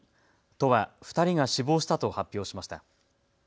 都は２人が死亡したと発表しました。